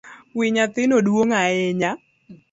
Wi nyathino duong’ ahinya